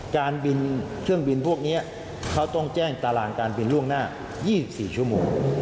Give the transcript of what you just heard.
การบินเครื่องบินพวกนี้เขาต้องแจ้งตารางการบินล่วงหน้า๒๔ชั่วโมง